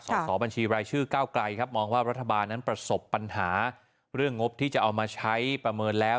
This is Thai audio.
สอบบัญชีรายชื่อก้าวไกลครับมองว่ารัฐบาลนั้นประสบปัญหาเรื่องงบที่จะเอามาใช้ประเมินแล้ว